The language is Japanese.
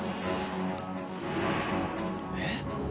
えっ？